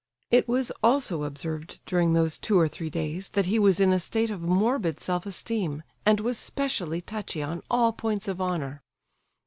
It was also observed during those two or three days that he was in a state of morbid self esteem, and was specially touchy on all points of honour.